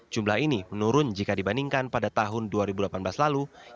jumlah ini menurun jika dibandingkan pada tahun dua ribu delapan belas lalu